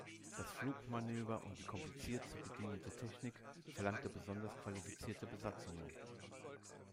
Das Flugmanöver und die kompliziert zu bedienende Technik verlangte besonders qualifizierte Besatzungen.